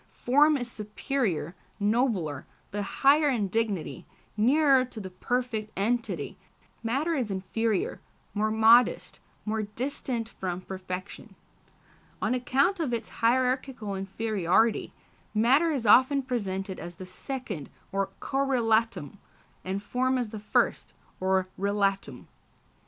Form is superior, nobler, the higher in dignity, nearer to the perfect entity; matter is inferior, more modest, more distant from perfection. On account of its hierarchical inferiority, matter is often presented as the second, or correlatum, and form as the first, or relatum.